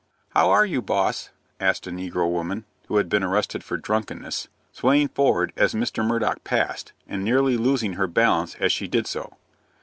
"How are you, boss?" asked a negro woman, who had been arrested for drunkenness, swaying forward, as Mr. Murdock passed, and nearly losing her balance as she did so.